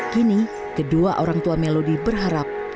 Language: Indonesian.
kini kedua orang tua melodi berharap